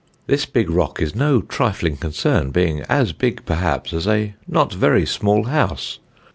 This big rock is no trifling concern, being as big, perhaps, as a not very small house.